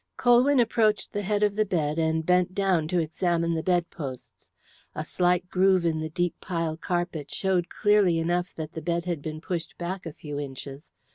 Colwyn approached the head of the bed and bent down to examine the bedposts. A slight groove in the deep pile carpet showed clearly enough that the bed had been pushed back a few inches.